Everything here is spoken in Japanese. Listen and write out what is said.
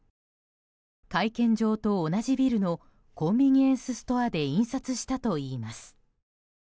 会見場と同じビルのコンビニエンスストアで印刷したといいます。